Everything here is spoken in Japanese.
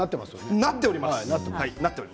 なっております。